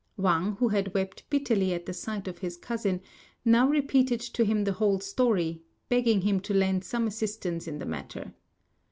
Wang, who had wept bitterly at the sight of his cousin, now repeated to him the whole story, begging him to lend some assistance in the matter.